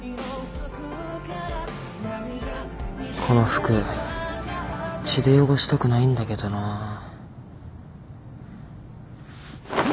この服血で汚したくないんだけどなぁ。